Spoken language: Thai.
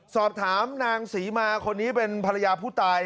สอบถามนางศรีมาคนนี้เป็นภรรยาผู้ตาย